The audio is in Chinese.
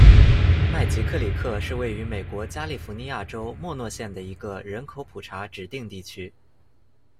麦吉克里克是位于美国加利福尼亚州莫诺县的一个人口普查指定地区。